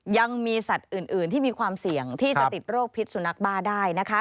ยังมีสัตว์อื่นที่มีความเสี่ยงที่จะติดโรคพิษสุนัขบ้าได้นะคะ